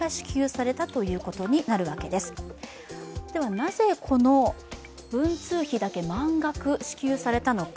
なぜこの文通費だけ満額支給されたのか。